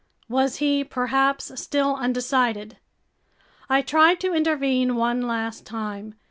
Was he, perhaps, still undecided? I tried to intervene one last time.